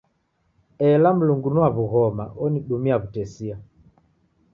Ela Mlungu ni wa w'ughoma onidumia w'utesia.